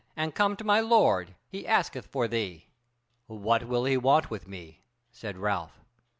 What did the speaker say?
and come to my lord, he asketh for thee." "What will he want with me?" said Ralph.